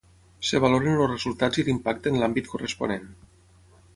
Es valoren els resultats i l'impacte en l'àmbit corresponent.